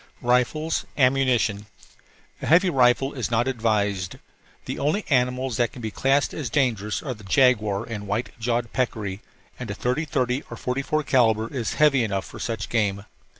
RIFLES AMMUNITION A heavy rifle is not advised. The only animals that can be classed as dangerous are the jaguar and white jawed peccary, and a 30 30 or 44 calibre is heavy enough for such game.